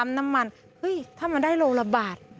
มันส่งหน้ามันถ้ามันได้โลละบาท